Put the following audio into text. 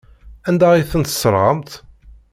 Anda ay ten-tesserɣemt?